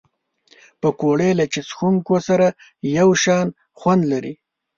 پکورې له چای څښونکو سره یو شان خوند لري